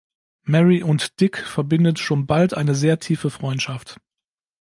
Mary und Dick verbindet schon bald eine sehr tiefe Freundschaft.